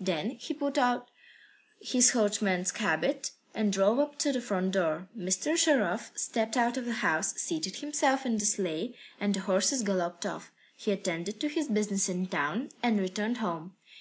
Then he put on his coachman's habit, and drove up to the front door. Mr. Sharov stepped out of the house, seated himself in the sleigh, and the horses galloped off. He attended to his business in town and returned home.